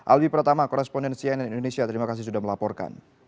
albi pertama korespondensi ann indonesia terima kasih sudah melaporkan